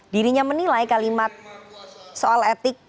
dirinya menilai kalimat soal etik